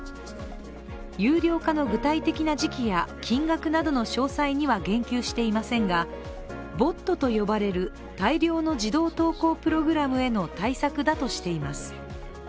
有料化の具体的な時期や金額などの詳細には言及していませんがｂｏｔと呼ばれる大量の自動投稿プログラムへの対策だとしています。